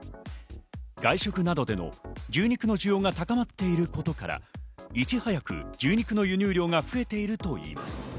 外食などでも牛肉の需要が高まっていることから、いち早く牛肉の輸入量が増えているといいます。